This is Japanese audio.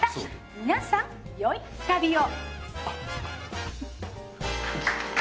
皆さんよい旅を。